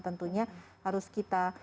tentunya harus kita